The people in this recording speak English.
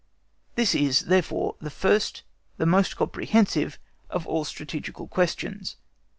This is, therefore, the first, the most comprehensive, of all strategical questions.